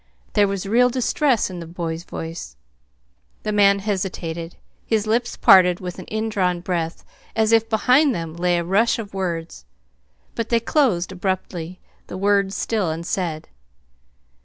There was real distress in the boy's voice. The man hesitated. His lips parted with an indrawn breath, as if behind them lay a rush of words. But they closed abruptly, the words still unsaid.